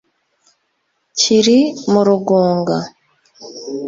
kiri mu Rugunga